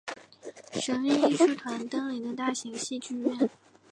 神韵艺术团登临的大型戏剧院。